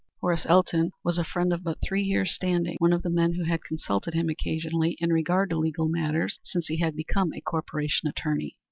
Horace Elton was a friend of but three years' standing; one of the men who had consulted him occasionally in regard to legal matters since he had become a corporation attorney.